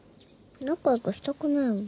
仲良くしたくないもん。